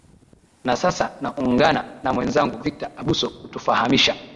na sasa na ungana na mwezangu victor abuso kutufahamisha